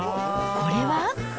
これは？